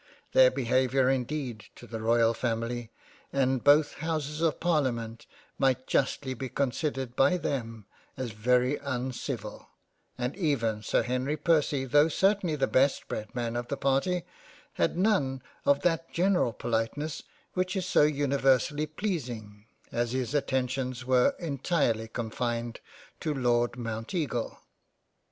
Their Behaviour indeed to the Royal Family and both Houses of Parliament might justly be con sidered by them as very uncivil, and even Sir Henry Percy tho' certainly the best bred man of the party, had none of that general politeness which is so universally pleasing, as his attentions were entirely confined to Lord Mounteagle.